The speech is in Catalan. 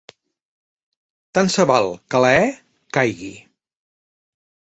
Tant se val que la e caigui.